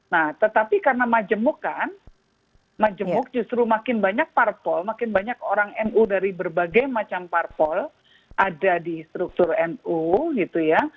nah tetapi karena majemuk kan majemuk justru makin banyak parpol makin banyak orang nu dari berbagai macam parpol ada di struktur nu gitu ya